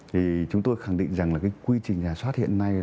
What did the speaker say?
thì chúng tôi khẳng định rằng là cái quy trình giả soát hiện nay